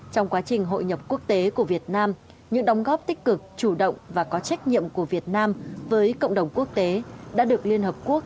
trong quá trình hội nhập quốc tế của việt nam những đóng góp tích cực chủ động và có trách nhiệm của việt nam với cộng đồng quốc tế đã được liên hợp quốc